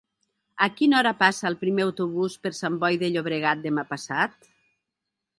A quina hora passa el primer autobús per Sant Boi de Llobregat demà passat?